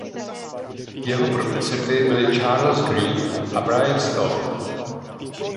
Jeho producenty byli Charles Greene a Brian Stone.